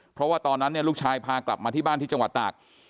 เพราะว่าตอนนั้นเนี่ยลูกชายพากลับมาที่บ้านที่จังหวัดตาก